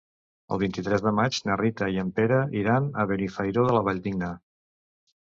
El vint-i-tres de maig na Rita i en Pere iran a Benifairó de la Valldigna.